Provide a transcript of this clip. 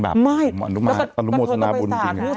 เราก็ต้องไปสาน